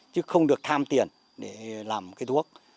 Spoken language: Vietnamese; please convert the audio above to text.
chứ không được tham tiền để làm cái thuốc